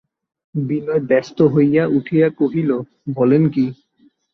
বিনয় ব্যস্ত হইয়া উঠিয়া কহিল, বলেন কী?